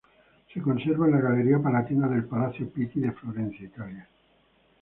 Se conserva en la Galería Palatina del Palacio Pitti de Florencia, Italia.